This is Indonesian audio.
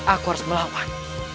aku harus melawan